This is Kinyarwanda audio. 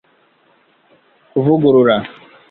kuvugurura